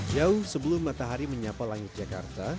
jauh sebelum matahari menyapa langit jakarta